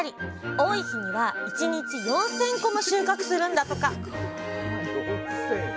多い日には１日４，０００個も収穫するんだとか！